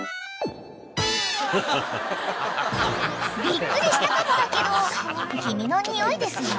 ［びっくりしたかもだけど君のにおいですよ？］